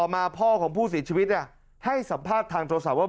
มาพ่อของผู้เสียชีวิตให้สัมภาษณ์ทางโทรศัพท์ว่า